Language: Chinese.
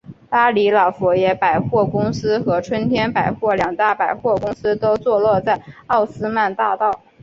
巴黎老佛爷百货公司和春天百货两大百货公司都坐落在奥斯曼大道。